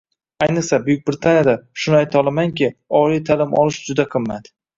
Ayniqsa, Buyuk Britaniyada, shuni aytolamanki, oliy taʼlim olish juda qimmat.